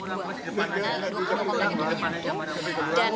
karena dua komplek ini menyandung